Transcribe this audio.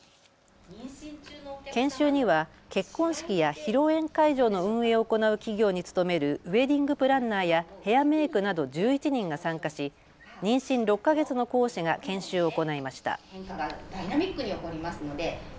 研修には結婚式や披露宴会場の運営を行う企業に勤めるウエディングプランナーやヘアメークなど１１人が参加し妊娠６か月の講師が研修を行いました。